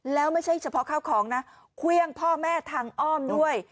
แล้วไม่ใช่เฉพาะข้าวของนะเครื่องพ่อแม่ทางอ้อมด้วย